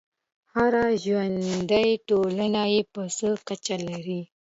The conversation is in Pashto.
هره ژوندی ټولنه یې په څه کچه لري.